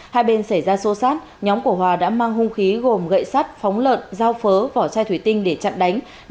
hai bên xảy ra xô xát nhóm của hòa đã mang hung khí gồm gậy sắt phóng lợn dao phớ vỏ chai thủy tinh để chặn đánh